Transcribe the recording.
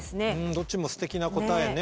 どっちもすてきな答えね。